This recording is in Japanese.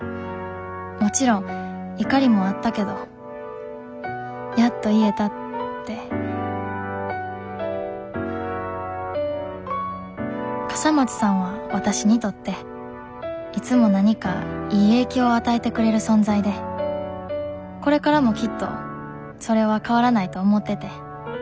もちろん怒りもあったけどやっと言えたって笠松さんはわたしにとっていつも何かいい影響を与えてくれる存在でこれからもきっとそれは変わらないと思ってて。